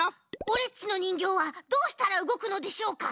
オレっちのにんぎょうはどうしたらうごくのでしょうか？